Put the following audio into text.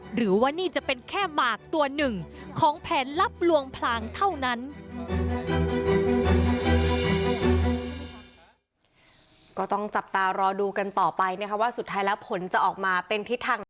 หรือว่านี่จะเป็นแค่หมากตัวหนึ่งของแผนลับลวงพลางเท่านั้น